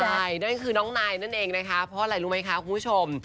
ใช่นั่นคือน้องนายนั่นเองนะคะเพราะอะไรรู้ไหมคะคุณผู้ชม